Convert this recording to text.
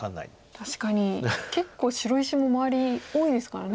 確かに結構白石も周り多いですからね。